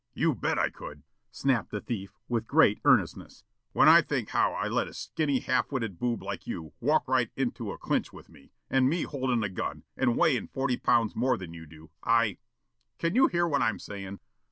"You bet I could," snapped the thief, with great earnestness. "When I think how I let a skinny, half witted boob like you walk right into a clinch with me, and me holdin' a gun, and weighin' forty pounds more than you do, I Can you hear what I'm saying?"